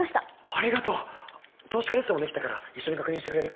ありがとう投資家リストもできたから一緒に確認してくれる？